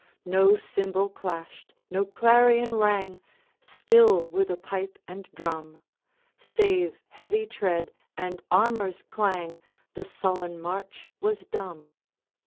No cymbal clashed, no clarion rang, Still were the pipe and drum; Save heavy tread, and armor's clang, The sullen march was dumb.